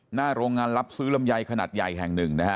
หน้าโรงงานรับซื้อลำไยขนาดใหญ่แห่งหนึ่งนะฮะ